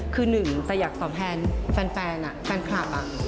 คือหนึ่งจะอยากตอบแทนแฟนแฟนคลับ